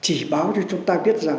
chỉ báo cho chúng ta biết rằng